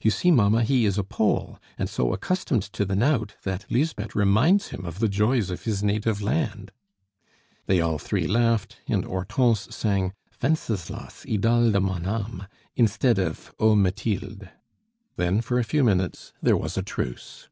"You see, mamma, he is a Pole, and so accustomed to the knout that Lisbeth reminds him of the joys of his native land." They all three laughed, and Hortense sang Wenceslas! idole de mon ame! instead of O Mathilde. Then for a few minutes there was a truce.